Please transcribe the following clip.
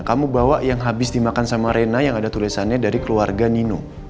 kamu bawa yang habis dimakan sama rena yang ada tulisannya dari keluarga nino